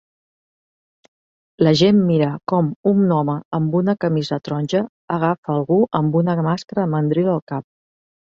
La gent mira com un home amb una camisa taronja agafa algú amb una màscara de mandril al cap